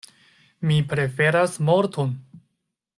Mi preferas morton!